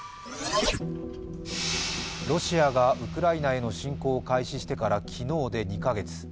ロシアがウクライナへの侵攻を開始してから昨日で２カ月。